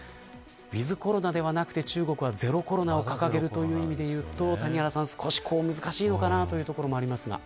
ウィズコロナではなくて中国は、ゼロコロナを掲げるという意味でいうと少し難しいのかなということもあります。